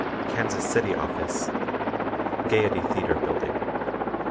KANSAS CITY OFFICE Gayety Theatre Bldg.